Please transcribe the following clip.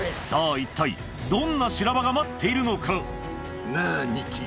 一体どんな修羅場が待っているのか？なぁニッキー。